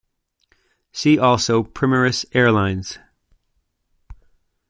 See also Primaris Airlines.